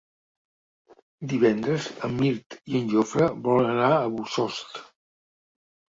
Divendres en Mirt i en Jofre volen anar a Bossòst.